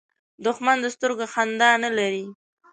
دښمن د سترګو خندا نه لري